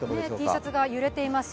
Ｔシャツが揺れています。